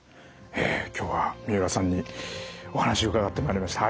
今日は三浦さんにお話を伺ってまいりました。